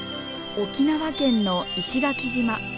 沖縄県の石垣島。